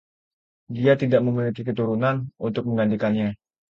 Dia tidak memiliki keturunan untuk menggantikannya.